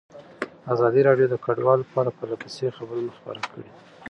ازادي راډیو د کډوال په اړه پرله پسې خبرونه خپاره کړي.